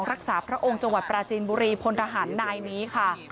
พระองค์จังหวัดปราจีนบุรีพลทหารนายนี้ค่ะ